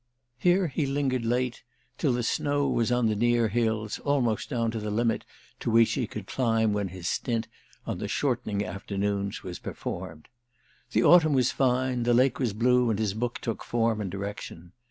Here he lingered late, till the snow was on the nearer hills, almost down to the limit to which he could climb when his stint, on the shortening afternoons, was performed. The autumn was fine, the lake was blue and his book took form and direction.